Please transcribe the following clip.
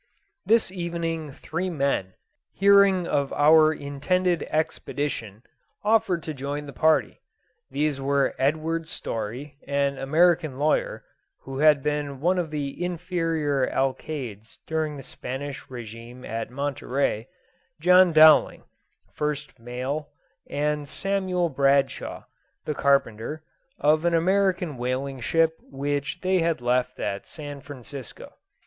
This evening three men, hearing of our intended expedition, offered to join the party. These were Edward Story, an American lawyer, who had been one of the inferior alcaldes during the Spanish regime at Monterey; John Dowling, first mate, and Samuel Bradshaw, the carpenter, of an American whaling ship which they had left at San Francisco.